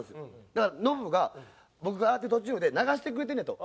だからノブが僕が洗ってる途中で流してくれてるんやと。